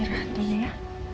istirahat dulu ya